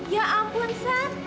ya ampun sat